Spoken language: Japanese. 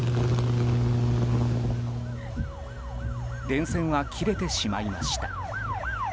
電線は切れてしまいました。